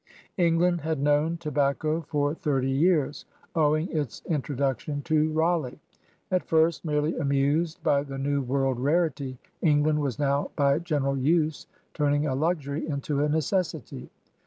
England had known tobacco for thirty years, owing its introduction to Raleigh. At first merely amused by the New World rarity, England was now by general use turning a luxury into a neces sity.